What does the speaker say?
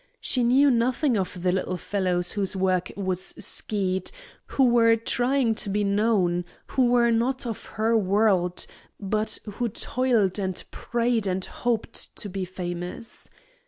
She knew nothing of the little fellows whose work was skied, who were trying to be known, who were not of her world, but who toiled and prayed and hoped to be famous.